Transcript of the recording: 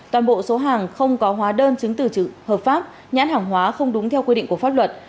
toàn bộ số hàng không có hóa đơn chứng tử hợp pháp nhãn hàng hóa không đúng theo quy định của pháp luật